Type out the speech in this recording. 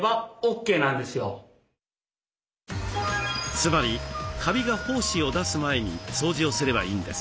つまりカビが胞子を出す前に掃除をすればいいんです。